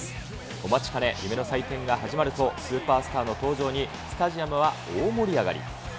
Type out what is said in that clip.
お待ちかね、夢の祭典が始まると、スーパースターの登場にスタジアムは大盛り上がり。